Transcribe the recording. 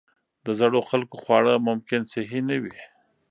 د زړو خلکو خواړه ممکن صحي نه وي.